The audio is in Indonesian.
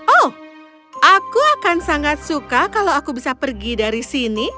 oh aku akan sangat suka kalau aku bisa pergi dari sini